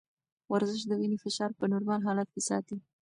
ورزش د وینې فشار په نورمال حالت کې ساتي.